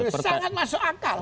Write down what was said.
sangat masuk akal